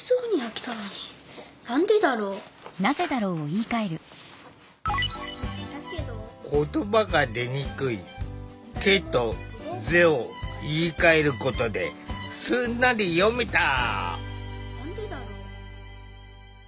言葉が出にくい「け」と「ぜ」を言いかえることですんなり読めた。